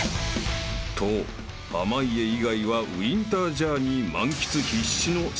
［と濱家以外はウィンタージャーニー満喫必至の］